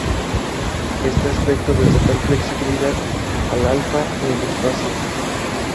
Este aspecto da total flexibilidad al Alpha en el espacio.